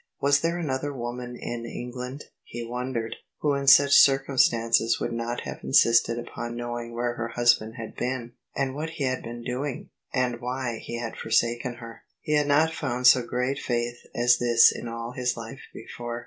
Was there another woman in England, he wondered, who in such cir cumstances would not have insisted upon knowing where her husband had been, and what he had been doing, and why he had forsaken her? He had not foimd so great faith as this in all his life before.